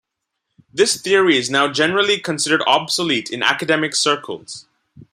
This theory is now generally considered obsolete in academic circles.